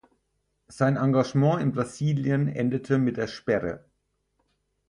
Sein Engagement in Brasilien endete mit der Sperre.